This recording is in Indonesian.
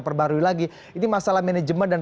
perbarui lagi ini masalah manajemen dan